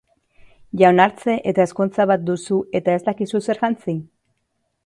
Jaunartze eta ezkontza bat duzu eta ez dakizu zer jantzi?